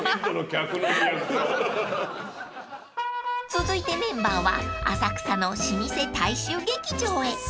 ［続いてメンバーは浅草の老舗大衆劇場へ］